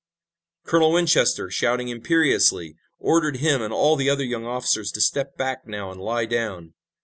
Colonel Winchester, shouting imperiously, ordered him and all the other young officers to step back now and lie down.